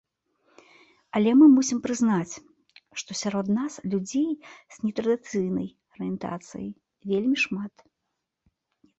Але мы мусім прызнаць, што сярод нас людзей з нетрадыцыйнай арыентацыяй вельмі шмат.